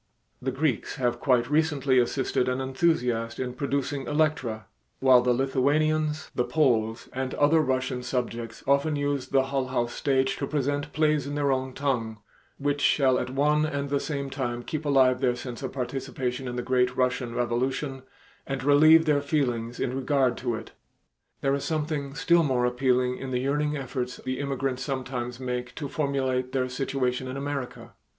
The Greeks have quite recently assisted an enthusiast in producing "Electra," while the Lithuanians, the Poles, and other Russian subjects often use the Hull House stage to present plays in their own tongue, which shall at one and the same time keep alive their sense of participation in the great Russian revolution and relieve their feelings in regard to it. There is something still more appealing in the yearning efforts the immigrants sometimes make to formulate their situation in America.